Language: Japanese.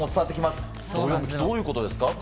どういうことですか？